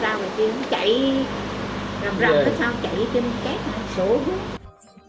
thế ra người ta chạy rầm rầm thế sau chạy chân cát sổ vứt